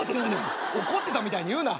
「怒ってた」みたいに言うな。